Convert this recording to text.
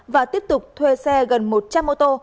và tiếp tục thuê xe gần một trăm linh ô tô